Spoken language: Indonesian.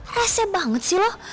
rase banget sih lo